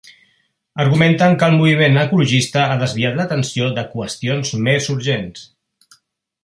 Argumenten que el moviment ecologista ha desviat l’atenció de qüestions més urgents.